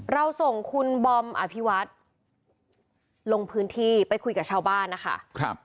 เราส่งคุณบอมอภิวัฒน์ลงพื้นที่ไปคุยกับชาวบ้านนะคะ